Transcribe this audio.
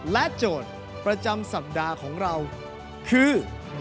โจทย์ประจำสัปดาห์ของเราคือ